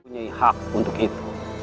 punya hak untuk itu